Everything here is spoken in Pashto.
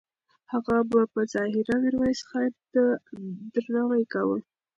هغه به په ظاهره میرویس خان ته درناوی کاوه.